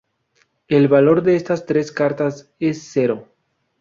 El valor de estas tres cartas es cero.